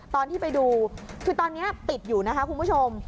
ตอนที่ไปดูคือตอนนี้ปิดอยู่นะคะคุณผู้ชม